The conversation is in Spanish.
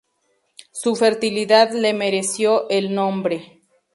Su fertilidad le mereció el nombre.